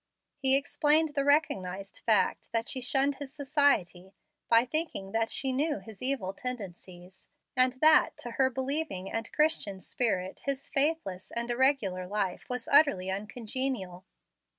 He explained the recognized fact that she shunned his society by thinking that she knew his evil tendencies, and that to her believing and Christian spirit his faithless and irregular life was utterly uncongenial.